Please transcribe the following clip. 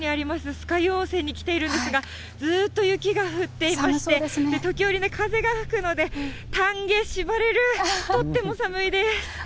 酸ヶ湯温泉に来ているんですが、ずっと雪が降っていまして、時折ね、風が吹くので、たんげしばれる、とっても寒いです。